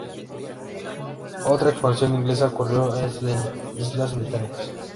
Otra expansión inglesa ocurrió en las Islas Británicas.